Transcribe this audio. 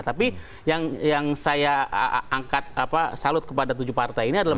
tapi yang saya angkat salut kepada tujuh partai ini adalah